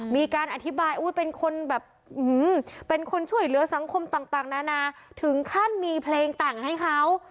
มีการอธิบายเป็นคนแบบเป็นคนช่วยเหลือสังคมต่างนานาถึงขั้นมีเพลงแต่งให้เขา